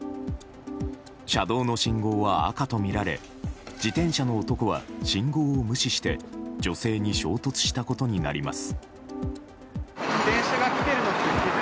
車道の信号は赤とみられ自転車の男は信号を無視して女性に衝突したことになります。